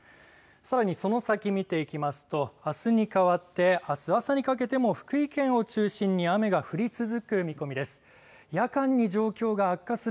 さらにその先見ていきますとあすに変わってあす朝にかけても福井県を中心に雨が降り続く見込みです。